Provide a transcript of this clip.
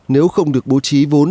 nếu không được bố trí vốn